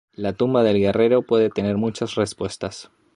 La tumba del guerrero puede tener muchas respuestas.